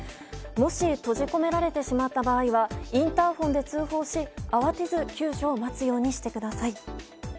閉じ込められてしまった場合はインターホンで通報し慌てず救助を待つようにしてください。